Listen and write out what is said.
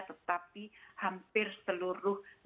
tetapi hampir seluruh negara dunia